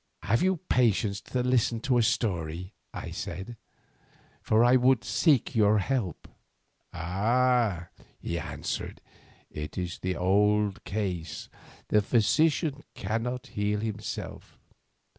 "Have you patience to listen to a story?" I said, "for I would seek your help." "Ah!" he answered, "it is the old case, the physician cannot heal himself.